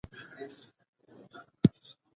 خپلي وسیلې په سمه توګه وکاروئ.